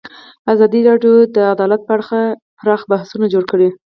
ازادي راډیو د عدالت په اړه پراخ بحثونه جوړ کړي.